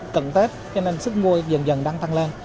cận tết cho nên sức mua dần dần đang tăng lên